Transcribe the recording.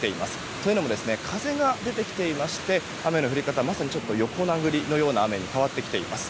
というのも風が出てきていまして雨の降り方、まさにちょっと横殴りのような雨に変わってきています。